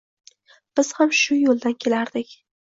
Biz ham shu yoʻldan kelardik.